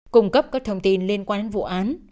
cung cấp các thông tin liên quan đến vụ án